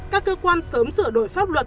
các cơ quan sớm sửa đổi pháp luật